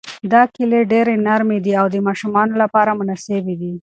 دا کیلې ډېرې نرمې دي او د ماشومانو لپاره مناسبې دي.